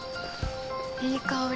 いい香り。